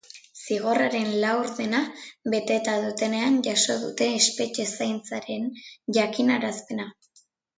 Zigorraren laurdena beteta dutenean jaso dute espetxe zaintzaren jakinarazpena.